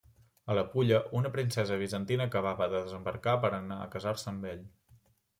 A la Pulla, una princesa bizantina acabava de desembarcar per anar a casar-se amb ell.